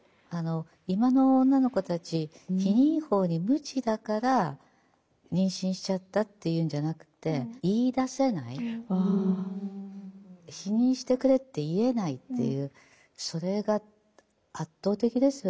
今の女の子たち避妊法に無知だから妊娠しちゃったっていうんじゃなくて言いだせない避妊してくれって言えないっていうそれが圧倒的ですよね。